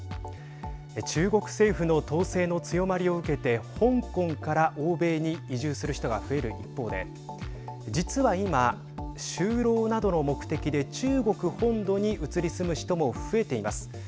中国政府の統制の強まりを受けて香港から欧米に移住する人が増える一方で実は今、就労などの目的で中国本土に移り住む人も増えています。